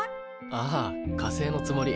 ああ火星のつもり。